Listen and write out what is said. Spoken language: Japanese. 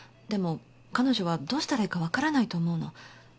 でも彼女はどうしたらいいか分からないと思うの。